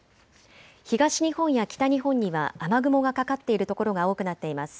東日本や北日本には雨雲がかかっている所が多くなっています。